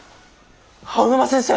青沼先生。